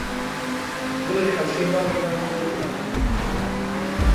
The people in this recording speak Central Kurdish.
گوڵی حەوشەی ماڵی مامم زۆر جوانە